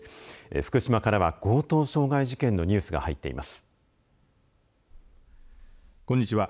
福島からは強盗傷害事件のニュースが入っていますこんにちは。